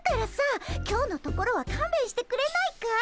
今日のところはかんべんしてくれないかい？